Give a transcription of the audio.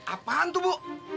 apaan tuh bu